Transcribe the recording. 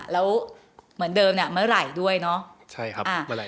แล้วเหมือนเดิมเนี่ยเมื่อไหร่ด้วยเนาะ